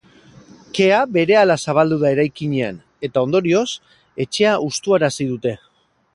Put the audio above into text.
Kea berehala zabaldu da eraikinean, eta ondorioz, etxea hustuarazi dute.